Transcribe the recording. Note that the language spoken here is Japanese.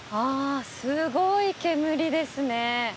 すごい煙ですね。